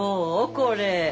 これ。